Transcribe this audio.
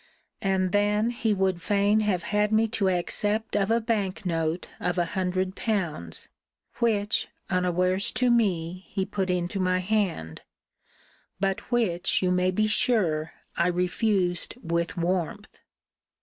And then he would fain have had me to accept of a bank note of a hundred pounds; which, unawares to me, he put into my hand: but which, you may be sure, I refused with warmth.